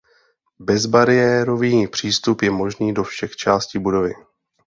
Bezbariérový přístup je možný do všech částí budovy.